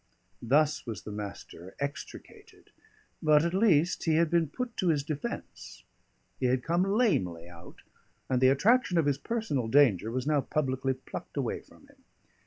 Thus was the Master extricated; but at least he had been put to his defence, he had come lamely out, and the attraction of his personal danger was now publicly plucked away from him.